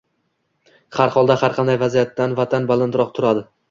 har holda har qanday vasiyatdan Vatan balandroq turadi.